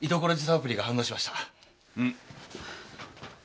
アプリが反応しました。